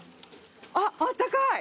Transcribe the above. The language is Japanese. あっあったかい。